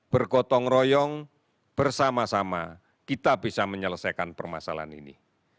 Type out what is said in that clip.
bergotong royong bersama sama kita bisa menyelesaikan permasalahan ini